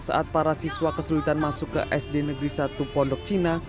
saat para siswa kesulitan masuk ke sd negeri satu pondok cina